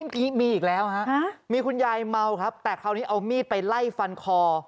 เมื่อกี้มีอีกแล้วฮะมีคุณยายเมาครับแต่คราวนี้เอามีดไปไล่ฟันคอ